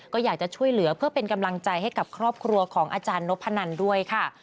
ก็อยากจะช่วยเหลือเพื่อเป็นกำลังใจให้กับครอบครัวของอาจารย์นพนันด้วยค่ะ